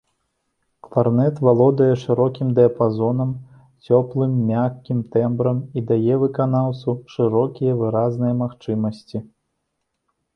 Кларнет валодае шырокім дыяпазонам, цёплым, мяккім тэмбрам і дае выканаўцу шырокія выразныя магчымасці.